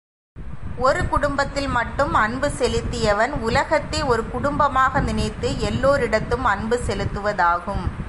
ஒரு குடும்பத்தில் மட்டும் அன்பு செலுத்தியவன், உலகத்தை ஒரு குடும்பமாக நினைத்து எல்லோரிடத்தும் அன்பு செலுத்துவதாகும்.